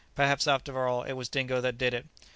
Perhaps, after all, it was Dingo that did it."